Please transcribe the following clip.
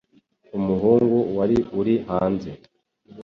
umuhungu wari uri hanze